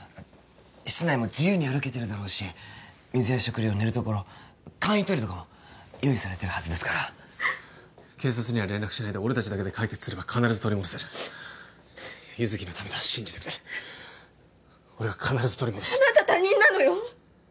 室内も自由に歩けてるだろうし水や食料寝るところ簡易トイレとかも用意されてるはずですから警察には連絡しないで俺達だけで解決すれば必ず取り戻せる優月のためだ信じてくれ俺が必ず取り戻すあなた他人なのよ